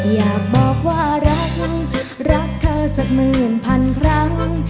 อยากบอกว่ารักรักเธอสักหมื่นพันครั้ง